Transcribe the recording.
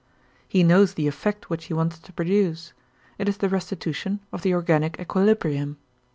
He knows the effect which he wants to produce; it is the restitution of the organic equilibrium.